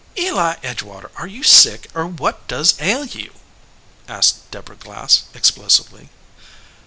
"Eli Edgewater, are you sick, or what does ail you?" asked Deborah Glass, explosively.